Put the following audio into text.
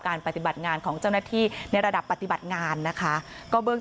ปฏิบัติงานของเจ้าหน้าที่ในระดับปฏิบัติงานนะคะก็เบื้อง